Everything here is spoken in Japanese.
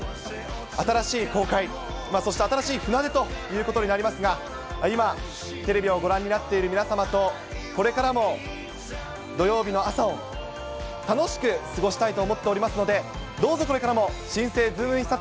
新しい航海、そして新しい船出ということになりますが、今、テレビをご覧になっている皆さんと、これからも土曜日の朝を楽しく過ごしたいと思っておりますので、どうぞこれからも新星ズームイン！！